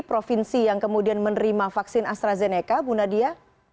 provinsi yang kemudian menerima vaksin astrazeneca bu nadia